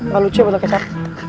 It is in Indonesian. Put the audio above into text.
gak lucu ya buat lo kecap